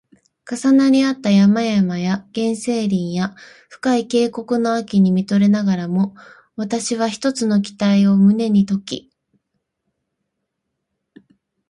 重なり合った山々や原生林や深い渓谷の秋に見とれながらも、わたしは一つの期待に胸をとき